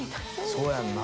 そうやんな。